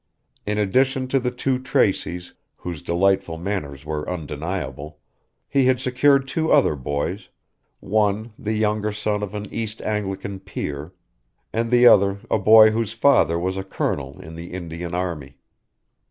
In addition to the two Traceys, whose delightful manners were undeniable, he had secured two other boys: one the younger son of an East Anglian peer, and the other a boy whose father was a colonel in the Indian army.